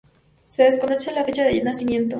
Se desconoce la fecha de nacimiento.